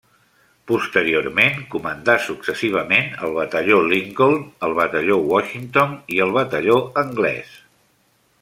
Posteriorment, comandà successivament el batalló Lincoln, el batalló Washington i el batalló anglès.